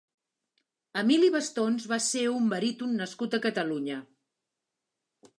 Emili Bastons va ser un baríton nascut a Catalunya.